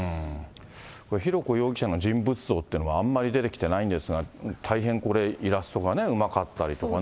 浩子容疑者の人物像っていうのはあんまり出てきてないんですが、大変これ、イラストがうまかったりとかね。